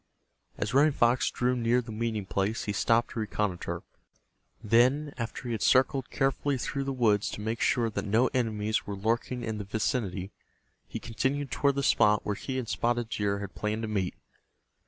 As Running Fox drew near the meeting place he stopped to reconnoiter. Then, after he had circled carefully through the woods to make sure that no enemies were lurking in the vicinity, he continued toward the spot where he and Spotted Deer had planned to meet.